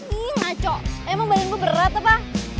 ih ngaco emang badan gua berat apa